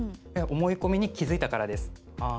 思い込みに気付いたからです。